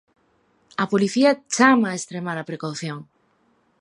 A Policía chama a extremar a precaución.